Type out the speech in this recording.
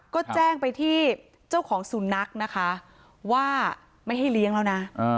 ก็แจ้งไปที่เจ้าของสุนัขนะคะว่าไม่ให้เลี้ยงแล้วนะ